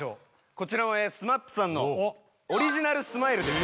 こちらもＳＭＡＰさんの「オリジナルスマイル」です